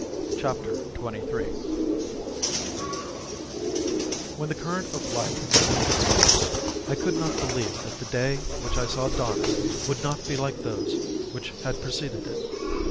Chapter XXIII When the current of life had resumed its course, I could not believe that the day which I saw dawning would not be like those which had preceded it.